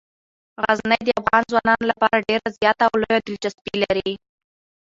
غزني د افغان ځوانانو لپاره ډیره زیاته او لویه دلچسپي لري.